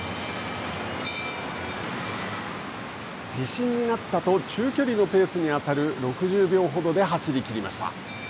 自信になったと中距離のペースに当たる６０秒ほどで走りきりました。